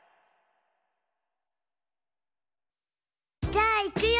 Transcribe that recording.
じゃあいくよ。